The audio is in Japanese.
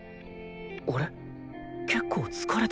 あれ？